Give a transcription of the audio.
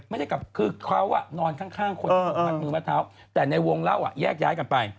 ไม่ได้กลับคือเขานอนข้างคนที่มัดมือมัดเท้าแต่ในวงเล่าแยกย้ายกันไป